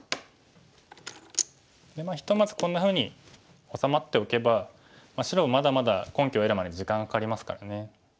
ひとまずこんなふうに治まっておけば白もまだまだ根拠を得るまでに時間がかかりますからね。